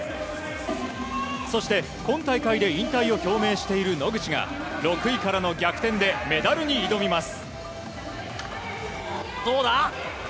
そして、今大会で引退を表明している野口が６位からの逆転でメダルに挑みます。